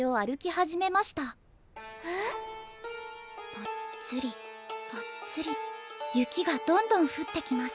「ぽっつりぽっつり雪がどんどんふってきます」。